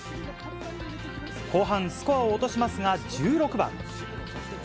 後半、スコアを落としますが１６番。